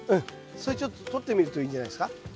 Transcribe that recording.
それちょっととってみるといいんじゃないですか？